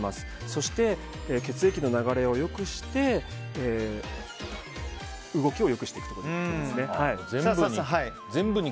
そして血液の流れを良くして動きを良くしていくということですね。